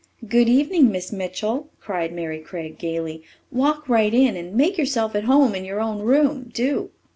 "Good evening, Miss Mitchell," cried Mary Craig gaily. "Walk right in and make yourself at home in your own room, do!